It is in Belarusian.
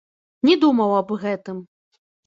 Не думаў аб гэтым.